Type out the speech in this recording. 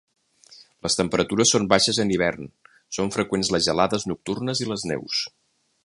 Les temperatures són baixes en hivern, són freqüents les gelades nocturnes i les neus.